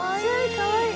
かわいい。